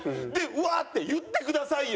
「うわっ！」って言ってくださいよ。